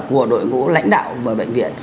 của đội ngũ lãnh đạo bệnh viện